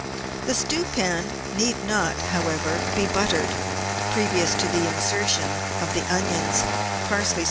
The stewpan need not, however, be buttered previous to the insertion of the onions, parsley stalks.